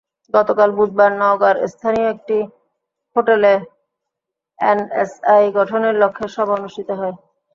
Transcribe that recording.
গতকাল বুধবার নওগাঁর স্থানীয় একটি হোটেলে এনএসআই গঠনের লক্ষ্যে সভা অনুষ্ঠিত হয়।